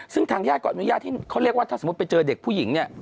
ซึ่งทางญาติก็อนุญาตที่เขาเรียกว่าถ้าสมมุติไปเจอเด็กผู้หญิงเนี่ย